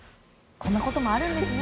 こんなこともあるんですね。